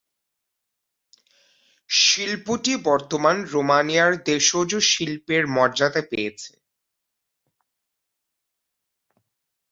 শিল্পটি বর্তমান রোমানিয়ার দেশজ শিল্পের মর্যাদা পেয়েছে।